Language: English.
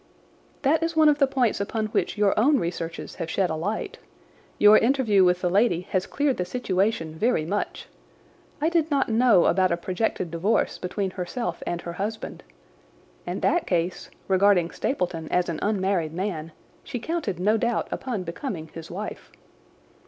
"That is one of the points upon which your own researches have shed a light. Your interview with the lady has cleared the situation very much. I did not know about a projected divorce between herself and her husband. In that case, regarding Stapleton as an unmarried man, she counted no doubt upon becoming his wife."